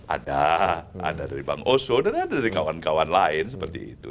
ada ada dari bang oso dan ada dari kawan kawan lain seperti itu